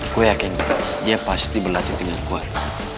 gue yakin dia pasti belajar kenyang kuat